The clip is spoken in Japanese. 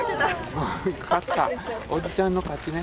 おじちゃんの勝ちね。